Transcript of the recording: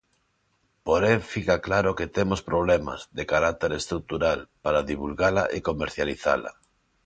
Porén fica claro que temos problemas, de carácter estrutural, para divulgala e comercializala.